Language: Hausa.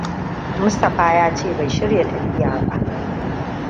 Mustapha ya ce bai shirya tafiya ba.